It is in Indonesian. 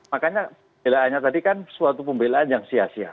makanya pembelaannya tadi kan suatu pembelaan yang sia sia